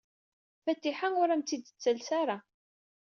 Fatiḥa ur am-t-id-tettales ara.